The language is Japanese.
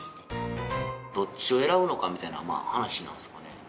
どっちを選ぶのかみたいな話なんですかね。